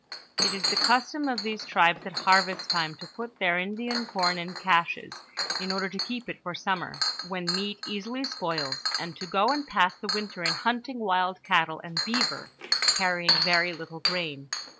It is the custom of these tribes at harvest time to put their Indian corn in caches, in order to keep it for summer, when meat easily spoils, and to go and pass the winter in hunting wild cattle and beaver, carrying very little grain.